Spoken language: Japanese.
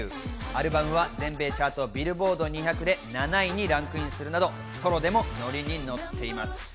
アルバムは全米チャートビルボード２００で７位にランクインするなど、ソロでもノリにノッています。